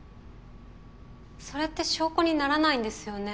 それって証拠にならないんですよね？